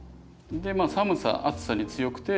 でまあ寒さ暑さに強くて。